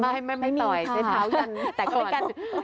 ไม่ต่อยไผ้เท้ายัน